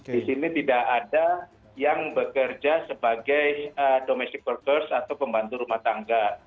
di sini tidak ada yang bekerja sebagai domestic workers atau pembantu rumah tangga